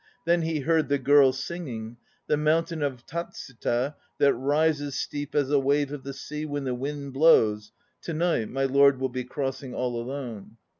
Then he heard the girl singing: "The mountain of Tatsuta that rises Steep as a wave of the sea when the wind blows To night my lord will be crossing all alone!"